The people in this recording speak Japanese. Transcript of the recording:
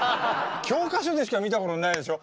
教科書でしか見たことないでしょ。